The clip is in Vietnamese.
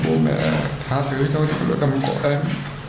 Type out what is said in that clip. bố mẹ thả thứ cho nó cầm cổ em